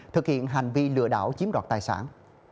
thực hiện hành vi lừa đảo chiếm đoạt tài sản